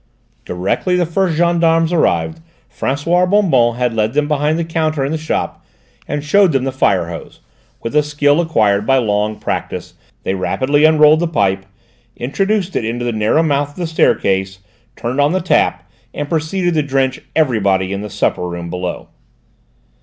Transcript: Directly the first gendarmes arrived, François Bonbonne led them behind the counter in the shop and showed them the fire hose; with the skill acquired by long practice, they rapidly unrolled the pipe, introduced it into the narrow mouth of the staircase, turned on the tap, and proceeded to drench everybody in the supper room below.